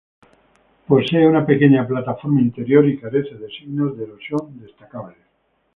Posee una pequeña plataforma interior y carece de signos de erosión destacables.